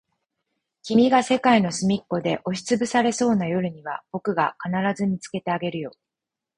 君が世界のすみっこで押しつぶされそうな夜には、僕が必ず見つけてあげるよ。